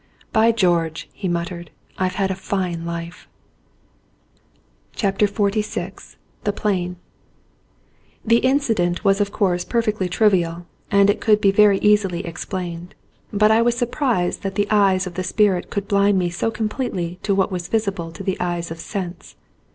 "By George," he muttered, "I've had a fine life." 182 XLVT THE PLAIN THE incident was of course perfectly triv ial, and it could be very easily explained ; but I was surprised that the eyes of the spirit could blind me so completely to what was visible to the eyes of sense.